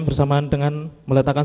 bersamaan dengan meletakkan